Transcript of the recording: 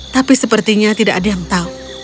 tapi sepertinya tidak ada yang tahu